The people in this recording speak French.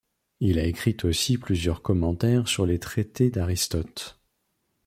Il a écrit aussi plusieurs commentaires sur les traités d'Aristote.